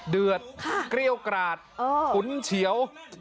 เดือดเกรี้ยวกราดฉุนเฉียว